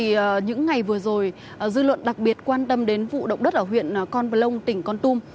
trong những ngày vừa rồi dư luận đặc biệt quan tâm đến vụ động đất ở huyện con vật lông tỉnh con tùm